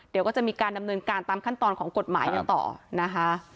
เดี๋ยวก็จะมีการดำเนินการตามขั้นตอนของกฎหมายกันต่อนะคะ